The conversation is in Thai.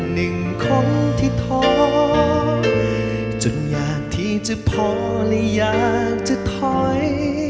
หนึ่งคนที่ท้อจนอยากที่จะพอและอยากจะถอย